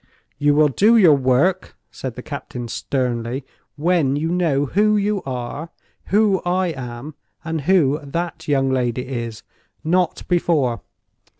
"You will do your work," said the captain, sternly, "when you know who you are, who I am, and who that young lady is—not before.